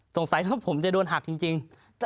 สงสัยถ้าผมจะโดนหักจริง